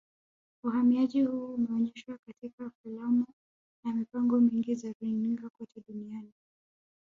Uhamiaji huu umeonyeshwa katika filamu na mipango mingi za runinga kote duniani